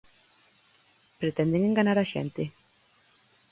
Pretenden enganar á xente?